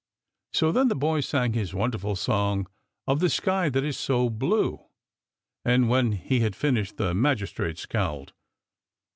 So then the boy sang his wonderful song of the sky that is so blue. And when he had finished the magistrate scowled.